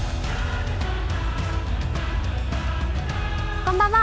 こんばんは。